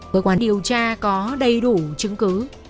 cơ quan điều tra có đầy đủ chứng cứ